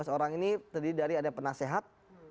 tiga belas orang ini tadi dari ada penasehat